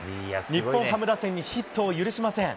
日本ハム打線にヒットを許しません。